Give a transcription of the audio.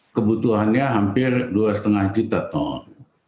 kebutuhannya hampir dua lima juta ton